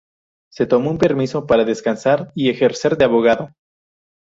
Se tomó un permiso para descansar y ejercer de abogado.